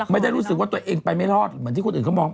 ไม่ได้รู้สึกว่าตัวเองไปไม่รอดเหมือนที่คนอื่นเขามอง